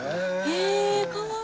へえかわいい！